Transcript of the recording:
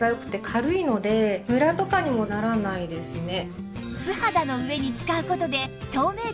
ムラとかにもならないですね。